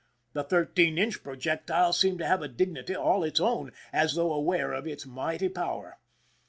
The thirteen inch projectile seemed to have a dignity all its own, as though aware of its mighty power.